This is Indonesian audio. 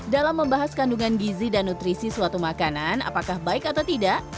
dalam membahas kandungan gizi dan nutrisi suatu makanan apakah baik atau tidak